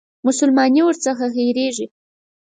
مسلماني ورڅخه هېرېږي.